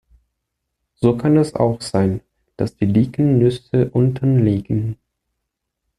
So kann es auch sein, dass die dicken Nüsse unten liegen.